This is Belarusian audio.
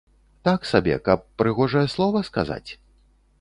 Так сабе, каб прыгожае слова сказаць?